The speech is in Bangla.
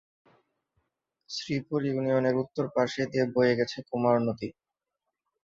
শ্রীপুর ইউনিয়নের উত্তর পাশে দিয়ে বয়ে গেছে কুমার নদী।